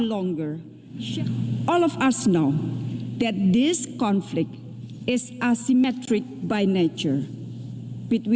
semua orang tahu bahwa konflik ini asimetrik dengan alamnya